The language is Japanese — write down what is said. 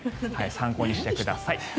参考にしてください。